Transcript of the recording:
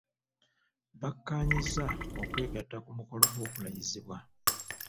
Bakkaanyizza okwegatta ku mukolo gw'okulayizibwa.